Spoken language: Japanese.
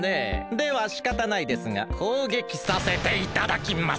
ではしかたないですがこうげきさせていただきます！